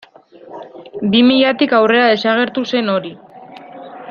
Bi milatik aurrera desagertu zen hori.